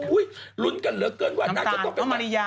อุ๊ยลุ้นกันเหลือเกินกว่าน่าจะต้องไปฝ่าย